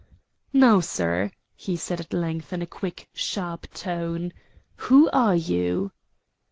"Now, sir," he said at length in a quick, sharp tone. "Who are you?"